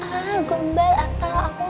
ah gue mbak